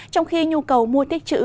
trong khi nhu cầu mua thiết chữ